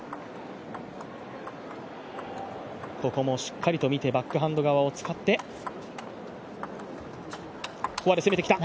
ここもしっかりと見てバックハンド側使って、フォアで攻めてきた。